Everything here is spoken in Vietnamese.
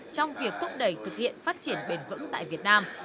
trong việc thúc đẩy thực hiện phát triển bền vững tại việt nam